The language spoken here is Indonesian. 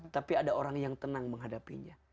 tapi ada orang yang tenang menghadapinya